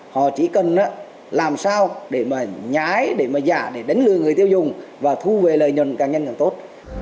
họ chỉ cần làm sao để mà nhái để mà giả để đánh lừa người tiêu dùng và thu về lợi nhuận càng nhanh càng tốt